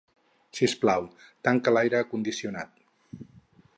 Sisplau, tanca l'aire condicionat.